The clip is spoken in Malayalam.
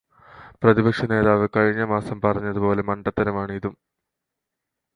പ്രതിപക്ഷനേതാവ് കഴിഞ്ഞ മാസം പറഞ്ഞതു പോലെ മണ്ടതരമാണ് ഇതും.